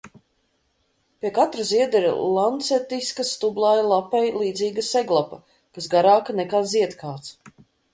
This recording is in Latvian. Pie katra zieda ir lancetiska, stublāja lapai līdzīga seglapa, kas garāka nekā ziedkāts.